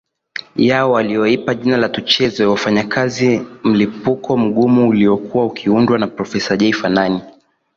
yao waliyoipa jina la Tucheze wafanyakazi mlipuko mgumu iliyokuwa ikiundwa na Profesa Jay Fanani